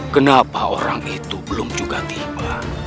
kenapa orang itu belum juga tiba